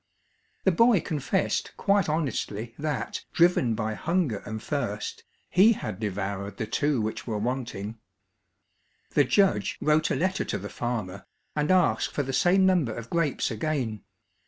The boy confessed quite honestly that, driven by hunger and thirst, he had devoured the two which were wanting. The judge wrote a letter to the farmer, and asked for the same number of grapes again.